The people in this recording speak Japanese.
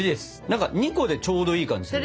２個でちょうどいい感じするね。